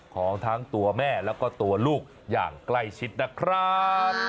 ของทั้งตัวแม่แล้วก็ตัวลูกอย่างใกล้ชิดนะครับ